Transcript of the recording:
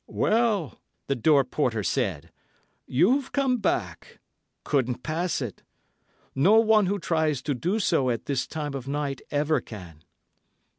"Well," the door porter said, "you've come back. Couldn't pass it. No one who tries to do so at this time of night ever can."